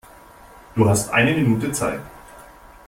Du hast eine Minute Zeit.